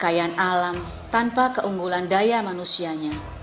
kekayaan alam tanpa keunggulan daya manusianya